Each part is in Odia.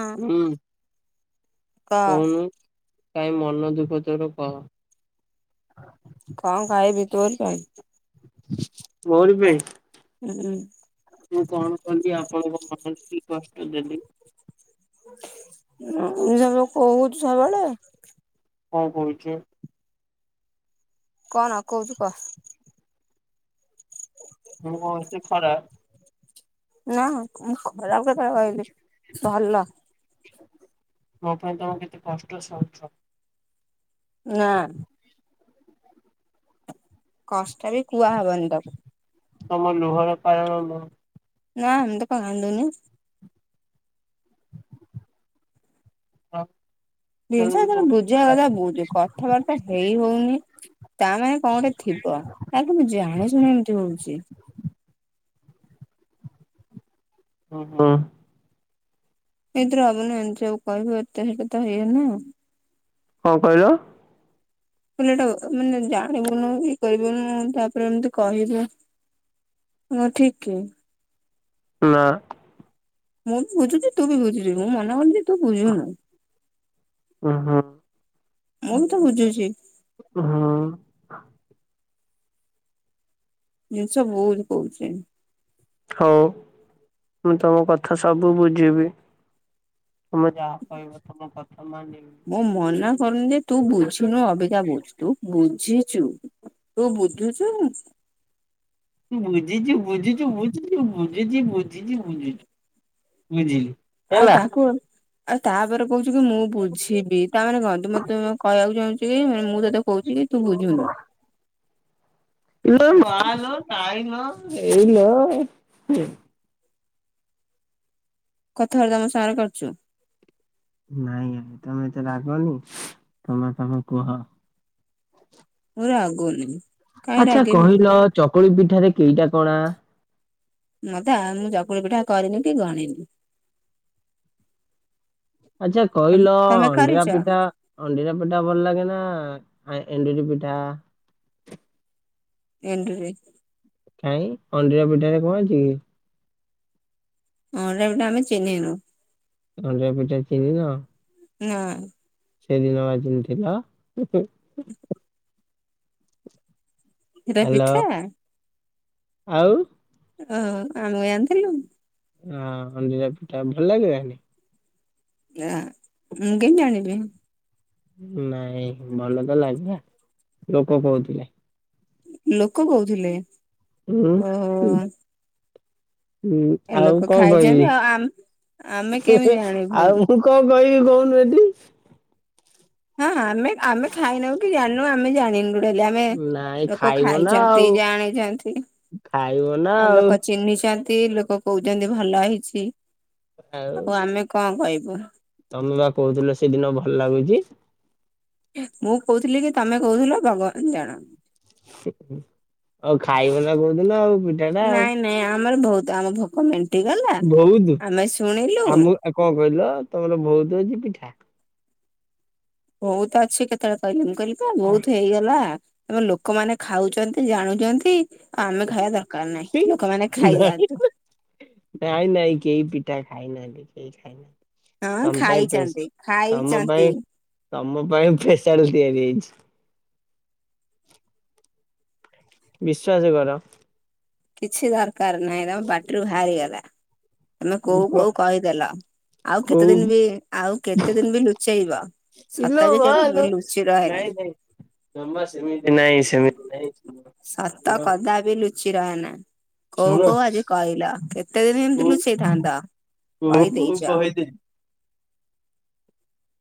ହଁ ହୁଁ କହ। କହୁନୁ। କାହିଁ ମନ ଦୁଃଖ ତୋର କହ। କଣ କହିବି ତୋରି ପାଇଁ। ମୋହରି ପାଇଁ। ହୁଁ ହୁଁ। ମୁଁ କଣ କଳି ଆପଣଙ୍କ ପାଖରେ। କି କଷ୍ଟ ଦେଲିି। ସବୁ କହୁଛୁ ସବୁବେଳେ। ହଉ କହୁଛି। କଣ କହୁଛୁ କହ। ମୁଁ କଣ ଏତେ ଖରାପ ନା ମୁ ଖରାପ କଥା କହିଲି ଭଲ। ମୋ ପାଇଁ ତମେ କେତେ କଷ୍ଟ ସହୁଛ। ନାଁ। କଷ୍ଟ ବି କୁହା ହେବନି ତାକୁ। ତମର ଲୁହର କାରଣ ମୁଁ। ନା ମୁଁ ତ କାନ୍ଦୁନୀ। ଆ ଜିନିଷ ତର ବୁଝିବା କଥା ବୁଝ କଥା ବହୁ କଥାବାର୍ତ୍ତା ହେଇ ହଉନି ତା ମାନେ କଣ ଗୋଟେ ଥିବ କାହିଁକି ମୁୁ ଜାଣି ଶୁଣି ଏମତି ହଉଛି। ହଁ ହଁ। ଏଇଥିରେ ହବନି ଏମିତି କହିବୁ ଏଟା ଇଏ ନୁହ କଣ କହିଲ? ଭୁଲଟା ମାନେ ଜାଣିବୁନୁ କି କରିବୁନୁ ତାପରେ ଏମିତି କହିବୁ ହଁ ଠିକ କି। ନା। ମୁଁ ବି ବୁଝୁଛି ତୁ ବି ବୁଝୁଛିି ମୁଁ ମନା କଳି ଓ ହୋ। ମୁଁ ତୋ ବୁଝୁଛି। ହୁଁ। ଜିନିଷ ବୁଝ କହୁଛି। ହଉ ମୁଁ ତମ କଥା ସବୁ ବୁଝିବି ତମେ ଯାହା କହିବ ତମ କଥା ମାନିବି। ମଁ ମନା କରନି ଯେ ତୁ ବୁଝୁନୁ ଅବିକା ବୁଝ ତୁ ବୁଝି ତୁ ବୁଧୁଛୁ। ବୁଝିଛୁ ବୁଝିଛୁ ବୁଝିଛୁ ବୁଝିଛିୁ ବୁଝିଛୁ ବୁଝୁଛୁ ବୁଝିଲି। ଆଉ ହେଲା। ତାହା କୁହ ଆଉ ତାପରେ କହୁଛୁ କି ମୁଁ ବୁଝିବି। ତା ମାନେ କଣ ତୁ ମୋତେ କହିବାକୁ ଚାହୁଁଛୁ କି ମାନେ ମୁଁ ତତେ କହୁଛି କି ତୁ ବୁଝୁନୁ। ହ ଏଇଲୋ କଥାବାର୍ତ୍ତା ମୋ ସାଙ୍ଗରେ କରିଛୁ। ନାଇଁ ନାଇ ତମେ ଏତେ ରାଗନି ତମେ କଣ କୁହ। ମୁଁ ରାଗୁନି। କାହିଁ ଆଚ୍ଛା ରାଗିବି କହିଲ ଚକୁଳି ପି ଏଠାରେ କେଇଟା କଣା। ମତେ ମୁଁ ଚକୁଳି ପିଠା କରିନି କି ଗଣିନି। ଆଚ୍ଛା କହିଲ ତମେ କରିଛ ଅଣ୍ଡିରା ପିଠା ଅଣ୍ଡିରା ପିଠା ଭଲ ଲାଗେ ନା ଆ ଏଣ୍ଡୁରି ପିଠା। ଏଣ୍ଡୁରି। କାଇଁ ଅଣ୍ଡିରା ପିଠାରେ କଣ ଅଛି କି? ଅଣ୍ଡିରା ପିଠା ଆମେ ଚିହ୍ନି ନୁ। ଅଣ୍ଡିରା ପିଠା ଚିହ୍ନି ନ। ନାଁ। ସେଦିନ ବା ଚିହ୍ନି ଥିଲ। ଖୀରା ହାଲୋ ପିଠା। ଆଉ ଓ ଆମେ ଜାଣିଥିଲୁ। ହଁ ଅଣ୍ଡିରା ପିଠା ଭଲ ଲାଗେ ନା ନାହିଁ। ଆ ମୁଁ କେମିତି ଜାଣିବ। ନାଇଁ ଭଲ ତ ଲାଗେ ଲୋକ କହୁଥିଲେ। ଲୋକ କହୁଥିଲେ। ହୁଁ। ଓହୋ ହୁଁ ଏ ଆଉ ଲୋକ କଣ ଖାଇଛନ୍ତି କହିବି ଆଉ ଆମ ଆମେ କେମିତି ଜାଣିବୁ ଆଉ ମୁଁ କଣ କହିବି କହୁନ ଏଠି। ହଁ ଆମେ ଆମେ ଖାଇ ନଉ କି ଜାଣ ଆମେ ଜାଣିନୁ। ପେହେଲେ ଆମେ ନାଇଁ ଲୋକ ଖାଇବ ନା ଆଉ ଖାଇଛନ୍ତି ଜାଣିଛନ୍ତି ଖାଇବ ନା ଆଉ ଲୋକ ଚିହ୍ନିଛନ୍ତି। ଏ ଲୋକ କହୁଛନ୍ତି ଭଲ ହେଇଛି। ଆଉ ଆମେ କଣ କହିବୁ। [inaudible] ବା କହୁଥିଲେ ସେଦିନ ଭଲ ଲାଗୁଛି। ମୁଁ କହୁଥିଲି କି ତମେ କହୁଥିଲ ଭଗବାନ ଜାଣନ୍ତି। ଆଉ ଖାଇବ ନା କଉ ଦିନ। ନାଇଁ ନାଇଁ ଆମ୍ ଆମର ବହୁତ ଆମ ଭୋକମେଣ୍ଟ ବହୁତ ଆମଉ କଣ କହିଲ ତମର ବହୁତ ଅଛି ପିଠା। ଭୋଉତ ଅଛି କେତେବେଳେ କହିଲି ମୁଁ। କହିଲି ପା ଆ ବହୁତ ହେଇଗଲା। ତମ ଲୋକମାନେ ଖାଉଛନ୍ତି ଜାଣୁଛନ୍ତି, ଆମେ ଖାଇବା ଦର୍ ନାଇଁ ନାଇଁ କେହି ପିଠା ଖାଇନାହାନ୍ତି। ଏଠି କେହି ହଁ ତମ ପାଇଁ ପେସ୍ ଖାଇଚନ୍ତି ତମ ପାଇଁ ଖାଇଚନ୍ତି। ତମ ପାଇଁ ପେସାଲ୍ ତିଆରି ହେଇଛି। ବିଶ୍ବାସ କର। କିଛି ଦର୍ କାର ନାଇଁ ତମ ପାଟ୍ରି ଭାରି ଗଲା। ତମେ କୋଉ କର କୋଉ କହିଦେଲ। ଆଉ କେତେ କୋଉ ଦିନ ବି ଆଉ କେତେ ଦିନ ବି ଲୁଚେଇବ। ଇଲୋ ସତ ବି ମା କେବେ ବି ଲୋ ଲୁଚି ରହେନି। ନାଇଁ ନାଇଁ ଜମା ସେମିତି ନାଇଁ ସେମିତି ନାଇଁ ଶୁଣ ସତ କଦା ବିି ଲୁଚି ଚି ରହେନା। କୋଉ ଶୁଣ କୋଉ ଆଜି କହିଲ କେତେ ଦିନ ଏମିତି କୋଉ ଲୁଚେଇଥାନ୍ତ କୋଉ କୋଉ କହିଦେଇଚ। କହିଦେଲି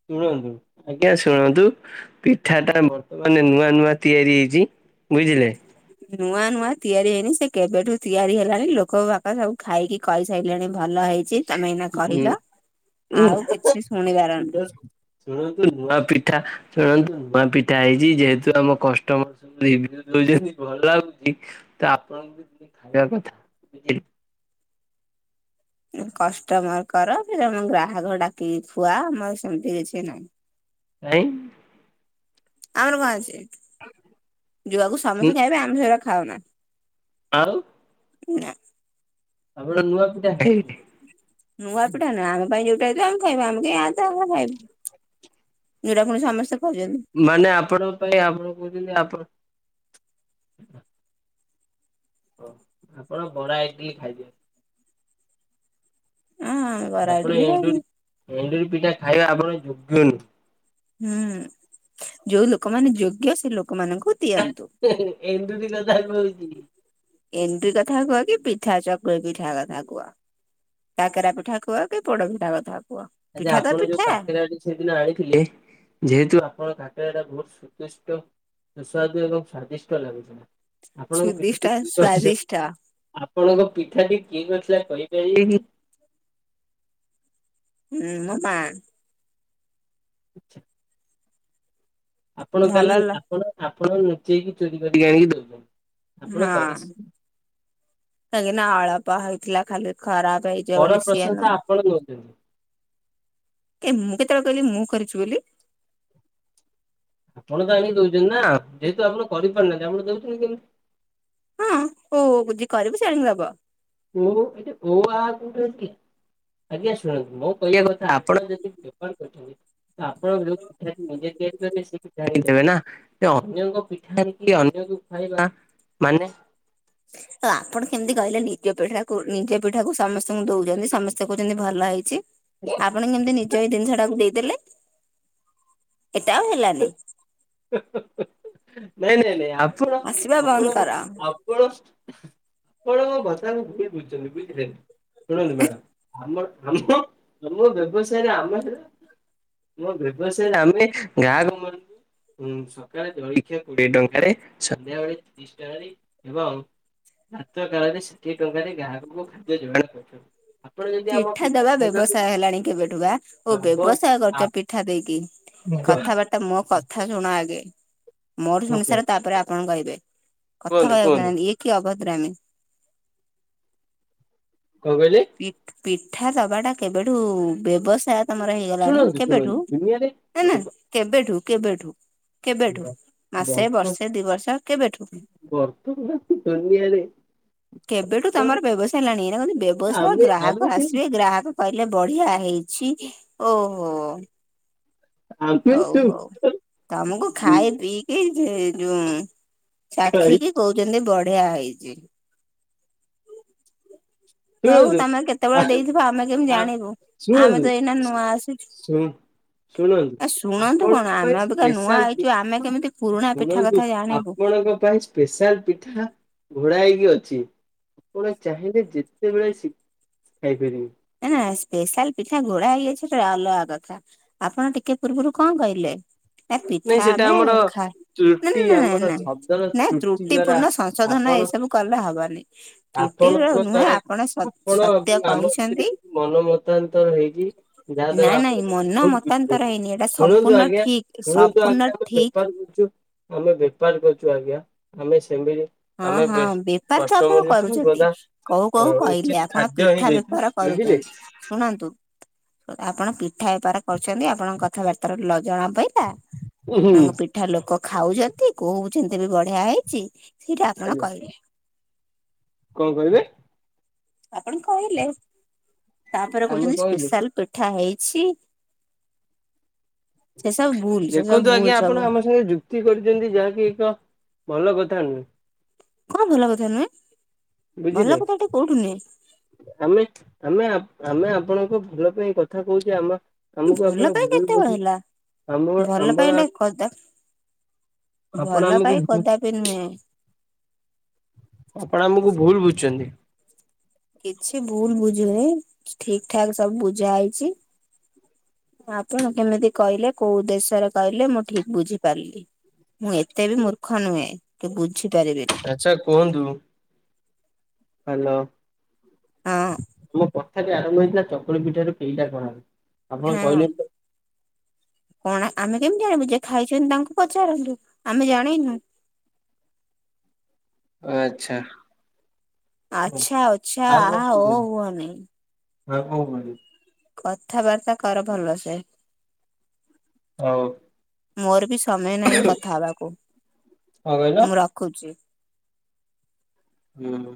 ଶୁଣନ୍ତୁ ଆଜ୍ଞା ଶୁଣନ୍ତୁ, ପିଠା ଟା ବର୍ତ୍ତମାନ ନୂଆ ନୂଆ ତିଆରି ହେଇଛି ବୁଝିଲେ। ନୂଆ ନୂଆ ତିଆରି ହେଇନି। ସେ କେବେଠୁ ତିଆରି ହେଲାଣି। ଲୋକ ବାକ ସବୁ ଖାଇକି କହିସାଇଲେଣି। [unintelligible] ଆଉ କିଛି ଶୁଣିବାର ଶୁଣ ଶୁଣନ୍ତୁ ନୂଆ ପିଠା ଶୁଣନ୍ତୁ। ନୂଆ ପିଠା ହେଇଛି ଯେହେତୁ ଆମ କଷ୍ଟମର ସବୁ ରିଭୁ ଦେଉଛନ୍ତି ଭଲ ଲାଗୁଛି ତ ଆପଣଙ୍କୁ ଖାଇବା କଥା ବୁଝିଲେ। କଷ୍ଟମର କର କି ତମେ ଗ୍ରାହକ ଡାକି ଖୁଆ ଆମର ସେମିତି କିଛି ନାହିଁ। କାଇଁ ଆମର କଣ ଅଛି। ଯୁଆକୁ ସମସ୍ତେ ଖାଇବେ ଆମେ ସେରାକ ଖାଉନା। ଆଉ। ନା। ଆପଣ ନୂଆ ପିଠା ଖାଇବେ। ନୂଆ ପିଠା ନା ଆମ ପାଇଁ ଯୋଉଟା ହେଥିବ ଆମେ ଖାଇମୁ। ଆମେ କାଇଁ ଆ ତା ଭାଗ ଖାଇବୁ ଯୋଉଟା ପୁଣି ସମସ୍ତେ ଖୋଜ ମାନେ ଆପଣ ପାଇଁ ଆପଣ କଉଚନ୍ତି ଆପଣ ଓ ଆପଣ ବରା ଇଡିଲ୍ ଖାଇବେ। ହଁ ଆମେ ବରା ଆପଣ ଇଟିଲି ଖାଇବୁ ଏଣ୍ଡୁରି ଏଣ୍ଡୁରି ପିଠା ଖାଇବା ଆପଣ ଯୋଗ୍ୟନୁହଁ। ହୁଁ ଯୋଉ ଲୋକମାନେ ଯୋଗ୍ୟ ସେ ଲୋକ ଲୋକ ମାନଙ୍କୁ ଦିଅନ୍ତୁ। [inaudible] ହଉଛି। ଏଣ୍ଡୁରି କଥା କୁହ କି ପିଠା ଚକୁଳି ପିଠା କଥା କୁହ। କାକେରା ପିଠା କୁହ କି ପୋଡ ପିଠା କଥା କୁହ। ଆଛା ପିଠା ତ ଆପଣ ଯୋଉ ପିଠା କାକେରାଡି ସେଦିନ ଆଣିଥିଲେ ଯେହେତୁ ଆପଣା ଏଟା ବହୁତ ସୁଷ୍ଟ ସୁସ୍ୱାଦୁ ଏବଂ ସ୍ଵାଦିଷ୍ଟ ଲାଗୁଛି। ଆପଣଙ୍କ ସୁଦିଷ୍ଟ ପିଠାଟି କିଏ କରି ସ୍ଵାଦିଷ୍ଟ ଆପଣଙ୍କ ପିଠାଟି କିଏ କରିଥିଲା କହ ଦେଇି ହୁଁ ମୋ ମା। ଆଚ୍ଛା। ଆପଣ କା ଭଲ ଲ ଆପଣ ଆପଣ ଲୁଚେଇକି ଚୋରି କରିକି ଆଣିକି ଦଉଛନ୍ତି। ଆପଣ ହଁ କରି କାହିଁକି ନା ଆଳପ ହେ ଥିଲା ଖାଲି। ଖରାପ ହେଇଯିବ ପର ବୋଲି ପ୍ରଶଂସା ଶିଆଳ ଆପଣ ନଉଛନ୍ତି। ଏ ମୁଁ କେ ତଳେ କହ ମୁଁ କରିଛି ବୋଲି। ଆପଣ ତ ଆଣି ଦଉଛନ୍ତି ନା ଯେହେତୁ ଆପଣ କରିପାରୁନାହାନ୍ତି ଆପଣ ଦଉଛନ୍ତି କେମତି। ହଁ ହଉଝ କରିବୁ ସୋଣିକି ଦବ। ଓ ଆ କୋଠି ଆଜ୍ଞା ଶୁଣନ୍ତୁ ମୋ କହିବା କଥା ଆପଣ ଯଦି ବେପାର କରଛନ୍ତି ଆପଣ ଯୋଉ ପିଠା ନିେ ଦଆ ସେ ପିା ଦେବେ ନା ଅନ୍ୟ ପିଠା ଅନ୍ୟ ଖାଇବା ମାନେ ଆପଣ କେମିତି କହିଲେ ନିଜ ପିଠାକୁ ନିଜ ପିଠାକୁ ସମସ୍ତଙ୍କୁ ଦଉଛନ୍ତି ସମସ୍ତେ କହୁଛନ୍ତି ଭଲ ହେଇଛି। ଆପଣ କେମିତି ନିଜ ଏଇ ଜିନିଷ ଟାକୁ ଦେଇ ଦେଲେ। ଏଟା ଆଉ ହେଲାନି। [unintelligible] ନାଇଁ ନାଇଁ ନାଇଁ ଆପଣ ହସିବା ବନ୍ଦ ଆପଣ କର। ଆପଣ କଣଣ ବଷାକୁ ଘୁମ ବୁଝୁଛନ୍ତି ବୁଝିଲେ। ଶୁଣନ୍ତୁ ମ୍ୟାଡ଼ା ଆମ ଆମ ଆମ ବ୍ୟବସାୟରେ ଆମ ଆମ ବ୍ୟବସାୟରେ ଆମେ ଗ୍ରାହକ ମାନଙ୍କୁ ସକାଳେ ଜଳଖିଆ କୋଡିଏ ଟଙ୍କାରେ ସନ୍ଧ୍ୟା ବଳେ ତିରିଶ ଟଙ୍କାରେ ଏବଂ ରାାତ କାଳରେ ଷାଠିଏ ଟଙ୍କାରେ ଗ୍ରାକ ଖାଦ୍ୟ ଯୋଗଣ କର ପିଠା ଦବା ବ୍ୟବସାୟ ହେଲାଣି କେବେଠୁ ବା ଓ ଆବ ବ୍ୟବସାୟ କରୁଛ ପିଠା ଦେଇକି କଥାବାର୍ତ୍ା ମୋ କଥା ଶୁଣ ଆଗେ। ମୋର ଶୁଣି କୁହନ୍ତୁ ସାର ତାପରେ ଆପଣ କହିବେ। କଥା କୁହନ୍ତୁ କହିବାକୁ କଣ ଚାହାନ୍ତି ଇଏ କି ଅଭଦ ଗ୍ରାମେ କଣ କହିଲେ? ପିଠା ଦବାଟା କେବେଠୁ ବ୍ୟବସାୟ ତମର ହେଇଗଲାଣି ଶୁଣନ୍ତୁ କେବେଠୁ ଶୁଣନ୍ତୁ ଦୁନିଆରେ ନାଇ ନା କେବେଠୁ କେବେଠୁ। କେବେଠୁ ମାସେ ବର୍ତ୍ତ ବର୍ଷେ ଦି ବର୍ଷ କେବେଠୁ ବର୍ତ୍ତମାନ ଦୁନିଆରେ କେବେଠୁ ତ ତମର ବ୍ୟବସାୟ ହେଲାଣି ଏ କନ୍ତି ବ୍ୟବସାୟ ଆମେ ଆମେ ଗ୍ରାହକ ସେ ଆସିବେ ଗ୍ରାହକ କହିଲେ ବଢିଆ ହେଇଛି ଓହୋ ଆମେ ହଉ ସେ ହଉ ତମକୁ ଖାଇ ପିଇକି ଏ ଯଉ ଚାଖ ଖାଇ କିି କହୁଛନ୍ତି ବଡ ଢଆ ହେଇଚି। ହଉ ତମେ କେତେବେଳେ ଦେଇଥିବ ଆମେ କେମିତି ଜାଣିବୁ। ଆମେ ତ ଶୁଣନ୍ତୁ ଏଇନା ନୂଆ ଆସିଛୁ ଶୁଣନ୍ତୁ ଶୁଣନ୍ତୁ ଆ ଶୁଣନ୍ତୁ କଣ ଆପଣଙ୍କ ପାଇଁ ଆମେ ଅବିକା ନୂଆ ଆଇଛୁ ଆମେ ସ୍ପେଶାଲଠା କେମିତି ପୁରୁଣା ପିଠା କଥା ଶୁଣନ୍ତୁ ଜାଣିବୁ ଆପଣଙ୍କ ପାଇଁ ସ୍ପେଶାଲ ପିଠା ଘୋଡା ହେଇକି ଅଛି। ଆପଣ ଚାହିଁଲେ ଯେ କେତେବେଳେ ଖାଇପାରିବେ। ନା ସ୍ପେଶାଲ ପିଠା ଘୋଡା ହେଇଯାଇଛି ପା ଅଲଗା କଥା ଆପଣ ଟିକେ ପୂର୍ବରୁ କଣ କହିଲେ? ନା ନାଇଁ ପିଠା ସେଟା ଆମେ ଆମର ଖା ତ୍ରୁଟି ନା ଆମର ଶବ୍ଦର ନା ତ୍ରୁଟି ଦ୍ଵାରା ପୂର୍ଣ୍ଣ ସଂଶୋଧନ ଆପଣ ଏସବୁ କଲେ ହବନି ଆପଣଙ୍କ ତ୍ରୁଟିର ନୁହେଁ ଦ୍ଵାରା ଆପଣ ଆପଣ ଏବଂ ସତ୍ୟ ଆମ କହିଛନ୍ତି। କିଛି ମନ ମତାନ୍ତର ହେଇଛି ଯାହା ଦ୍ଵାରା ନାଇଁ ଆପଣ ନାଇଁ ମେ ମନ ଭୁଲ ମତାନ୍ତର ବୁଝିଛନ୍ତି ହେଇନି ଏଇଟା ଶୁଣନ୍ତୁ ସମ୍ପୂର୍ଣ୍ଣ ଆଜ୍ଞା ଠିକ ଶୁଣନ୍ତୁ ସମ୍ପୂର୍ଣ୍ଣ ଆଜ୍ଞା ଠିକ ବେପାର କରୁଛୁ। ଆମେ ବେଟପାର କରୁଛୁ ଆଜ୍ଞା ଆମେ ସେମିତି ହଁ ଆମେ ହଁ ବେ ବେପାର ତ ଆପଣ କଷ୍ଟମରକୁ କରୁଛନ୍ତି ସର୍ବଦା କୋଉ ଅ, କୋଉ କହିଲେ ଉଚିତ ଆପଣ ଖାଦ୍ୟ ହିଁ ପିଠା ଦେଇଥାଉ ବେପାର ବୁଝିଲେ। କରୁଛନ୍ତି ଶୁଣନ୍ତୁ। ଆପଣ ପିଠା ବେପାର କରୁଛନ୍ତି ଆପଣଙ୍କ କଥାବାର୍ତା ର ନ ଜଣ ପାଇଁ ଉଁ ହୁଁ ତାଙ୍କ ପିଠା ଲୋକ ଖାଉଛନ୍ତି କୋହୁଛନ୍ତି ବି ବଢିଆ ହେଇଛି। ସେଇଟା ଆପଣ ଆଜ୍ଞା କହିବେ। କଣ କହିଲେ? ଆପଣ କହିଲେ। ତାପରେ ଆମେ କହୁଛନ୍ତି କହିଲୁ ସ୍ପେଶାଲ ପିଠା ହେଇ ଛି ଦେଖନ୍ତୁ ଆଜ୍ଞା ସବୁ ଆପଣ ଆମ ସାଙ୍ଗେ ଯୁକ୍ତି କରୁଛନ୍ତି ଯାହାକି ଏକ ଭଲ କଥା ନୁହେ। କଣ ଭଲ କଥା ନୁହେଁ। ଭଲ ବୁଝିଲେ କଥାଟେ କୋଉଠୁ ନୁହେଁ ଆମେ ଆମେ ଆମେ ଆପଣଙ୍କ ଭଲ ପାଇଁ କଥା କହୁଛି ଆମ ଆମକୁ ଆପଣ ଭଲ ପାଇଁ ଭୁଲ କେତେବେଳେ ବୁଝୁ ହେଲା ଆମ ଭଲ ଆମ୍ବଳା ପାଇଁଟା କଦା ଆପଣ ଭଲ ପାଇଁ ଆମକୁ କଦାପି ନୁହେଁ। ଆପଣ ଆମକୁ ଭୁଲ ବୁଝୁଛନ୍ତି। କିଛି ଭୁଲ ବୁଝୁନି ଠିକ ଠାକ ସବୁ ବୁଝା ହେଇଛି ଆପଣ କେମିତି କହିଲେ କୋଉ ଉଦେଶ୍ୟରେ କହିଲେ ମୁଁ ଠିକ ବୁଝିପାରିଲି ମୁଁ ଏତେ ବି ମୂର୍ଖ ନୁହେଁ କି ବୁଝି ପାରିବିନି ଆଛା କୁହନ୍ତୁ ହ୍ୟାଲୋ ହଁ [inaudible] ସେ ଆରମ୍ଭ ହେଇଥିଲା ଚକୁଳିୀ ପଠରେ କେେଇଟା କଣଉ ଆପଣ ହଁ କହିଲେ କଣ ଆମେ କେମିତି ଜାଣିବୁ ଯେ ଖାଇଛନ୍ତି ତାଙ୍କୁ ପଚାରନ୍ତୁ ଆମେ ଜାଣିନୁ ଆଚ୍ଛା। ଆଛା ଅଛା ଆ ଓ ହହ ହୁଏ ନାହିଁ। ହଁ ହଉ ମ [inaudible] କଥାବାର୍ତ୍ତା କର ଭଲସେ। ହଉ। ମୋର ବି ସମୟ ନାହିଁ କଥା ହବାକୁ କଣ କହିଲ ମୁଁ ରଖୁଛି। ହୁଁ।